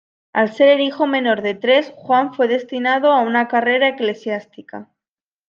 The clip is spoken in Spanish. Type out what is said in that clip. Al ser el hijo menor de tres, Juan fue destinado a una carrera eclesiástica.